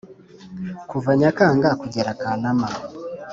kuva nyakanga kugerakanama,.